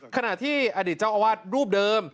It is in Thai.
ขณะที่อดีตเจ้าอาวาสรูปเดิม